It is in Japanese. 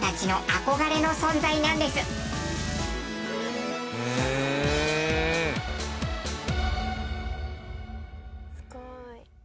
すごい。